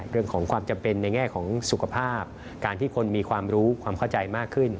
ความจำเป็นในแง่ของสุขภาพการที่คนมีความรู้ความเข้าใจมากขึ้น